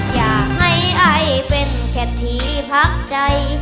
อยากให้ไอเป็นแค่ที่พักใจ